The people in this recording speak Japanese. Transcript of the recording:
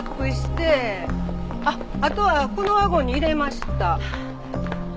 あっあとはこのワゴンに入れました。